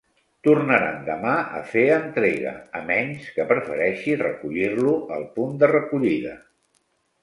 Tornaran demà a fer entrega, a menys que prefereixi recollir-lo al punt de recollida.